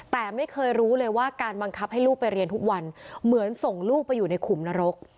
แต่ไม่เคยรู้เลยว่าการบังคับให้ลูกไปเรียนทุกวันเหมือนส่งลูกไปอยู่ในขุมนรก